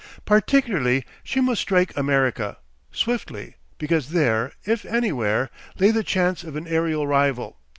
Particularly she must strike America, swiftly, because there, if anywhere, lay the chance of an aerial rival.